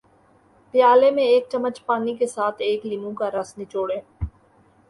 پیالے میں ایک چمچ پانی کے ساتھ ایک لیموں کا رس نچوڑیں